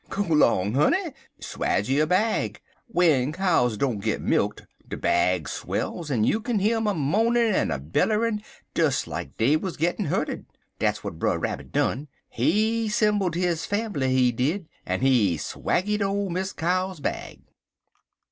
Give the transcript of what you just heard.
"Go long, honey! Swaje 'er bag. W'en cows don't git milk't, der bag swells, en you k'n hear um a moanin' en a beller'n des like dey wuz gittin' hurtid. Dat's w'at Brer Rabbit done. He 'sembled his fambly, he did, en he swaje ole Miss Cow's bag.